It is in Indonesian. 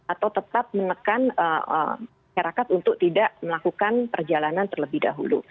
atau tetap menekan syarakat untuk tidak melakukan perjalanan terlebih dahulu